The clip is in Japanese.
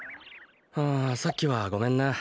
ああさっきはごめんな。